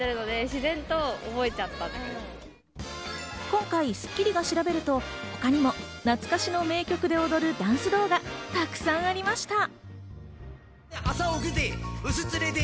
今回『スッキリ』が調べると、他にも懐かしの名曲で踊るダンス動画、たくさんありました。